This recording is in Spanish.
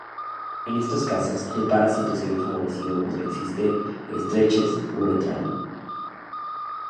En estos casos, el parásito se ve favorecido cuando existe estrechez uretral.